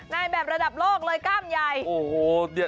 นายแบบระดับโลกเลยก้ามใหญ่